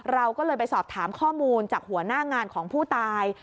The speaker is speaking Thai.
เราก็เลยไปสอบถามข้อมูลจากหัวหน้างานของผู้ตาย